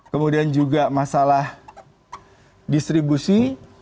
kemudian juga masalah distribusi